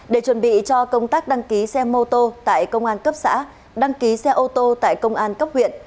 để chuẩn bị cho công tác đăng ký xe mô tô tại công an cấp xã đăng ký xe ô tô tại công an cấp huyện